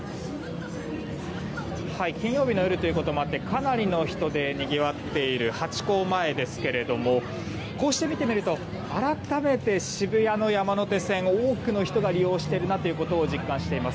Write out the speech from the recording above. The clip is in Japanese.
金曜日の夜ということもあってかなりの人でにぎわっているハチ公前ですけれどもこうして見てみると改めて渋谷の山手線多くの人が利用しているなと実感しています。